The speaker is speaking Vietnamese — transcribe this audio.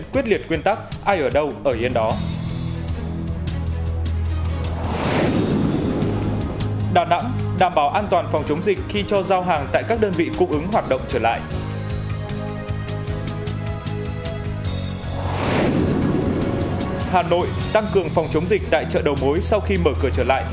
hà nội tăng cường phòng chống dịch tại chợ đầu mối sau khi mở cửa trở lại